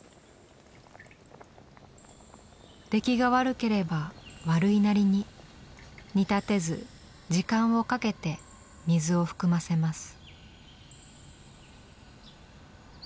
出来が悪ければ悪いなりに煮立てず時間をかけて水を含ませます。